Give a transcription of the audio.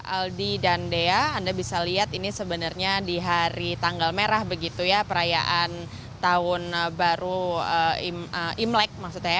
aldi dan dea anda bisa lihat ini sebenarnya di hari tanggal merah begitu ya perayaan tahun baru imlek